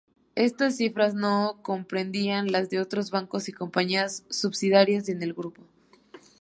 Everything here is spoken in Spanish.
Estas cifras no comprendían las de otros bancos y compañías subsidiarias del Grupo.